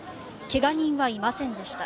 怪我人はいませんでした。